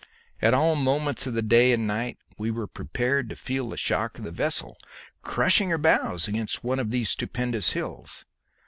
At all moments of the day and night we were prepared to feel the shock of the vessel crushing her bows against one of these stupendous hills.